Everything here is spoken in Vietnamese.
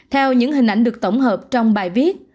theo những hình ảnh được tổng hợp trong bài viết